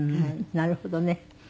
なるほどね。